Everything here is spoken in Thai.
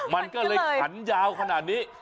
มันก็เลยขันยาวขนาดนี้